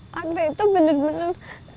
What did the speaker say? waktu itu benar benar